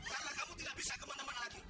karena kamu tidak bisa kemana mana lagi